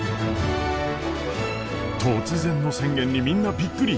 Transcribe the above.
突然の宣言にみんなびっくり！